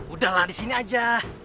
udah lah disini aja